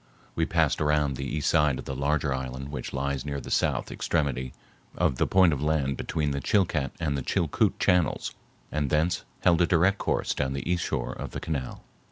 We passed around the east side of the larger island which lies near the south extremity of the point of land between the Chilcat and the Chilcoot channels and thence held a direct course down the east shore of the canal.